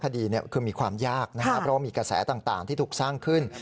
คดีคือมีความยากนะครับเพราะว่ามีกระแสต่างที่ถูกสร้างขึ้น